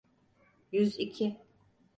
Yüz iki.